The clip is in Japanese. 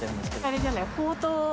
あれじゃない？